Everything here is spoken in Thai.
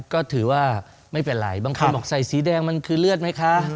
ก็ถือว่าไม่เป็นไรบางคนบอกใส่สีแดงมันคือเลือดไหมคะ